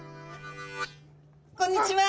こんにちは。